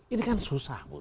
ini kan susah